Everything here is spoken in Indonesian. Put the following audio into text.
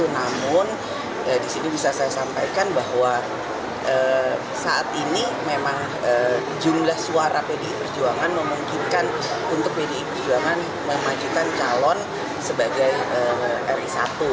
namun di sini bisa saya sampaikan bahwa saat ini memang jumlah suara pdi perjuangan memungkinkan untuk pdi perjuangan memajukan calon sebagai ri satu